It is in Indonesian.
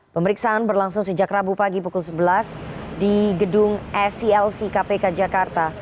pemeriksaan berlangsung sejak rabu pagi pukul sebelas di gedung sclc kpk jakarta